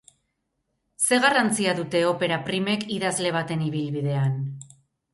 Ze garrantzia dute opera primek idazle baten ibilbidean?